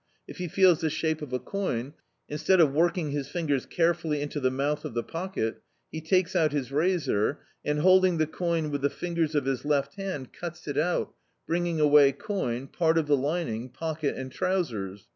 If he feels the shape of a coin, instead of working his fingers carefully into the mouth of the pocket, he takes out his razor and, holding the coin with the fingers of his left hand, cuts it out, bringing away coin, part of the lining, pocket and trousers.